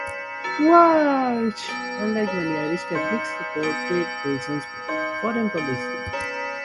Walsh, unlike many Irish Catholics, supported Wilson's foreign policy.